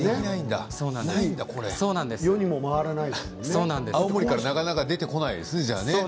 青森からなかなか出てこないんですね。